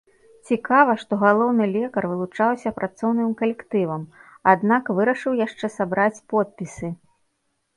Цікава, што галоўны лекар вылучаўся працоўным калектывам, аднак вырашыў яшчэ сабраць подпісы.